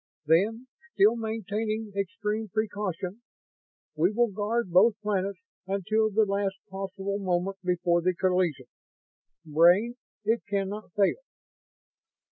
Then, still maintaining extreme precaution, we will guard both planets until the last possible moment before the collision. Brain, it cannot fail!"